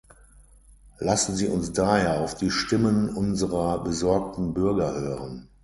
Lassen Sie uns daher auf die Stimmen unserer besorgten Bürger hören.